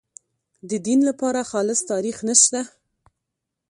د دین لپاره خالص تاریخ نشته.